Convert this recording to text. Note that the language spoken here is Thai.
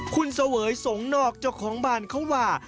คุณเสวยสงนอกเจ้าของบ้านเขาว่า